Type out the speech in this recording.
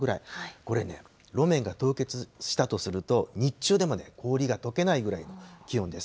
これね、路面が凍結したとすると、日中でも氷がとけないぐらいの気温です。